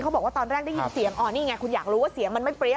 บอกว่าตอนแรกได้ยินเสียงอ๋อนี่ไงคุณอยากรู้ว่าเสียงมันไม่เปรี้ย